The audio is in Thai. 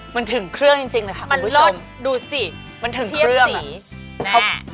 มันถึงเครื่องจริงเลยค่ะคุณผู้ชมมันถึงเครื่องอะแน่ะมันเลิศดูสิ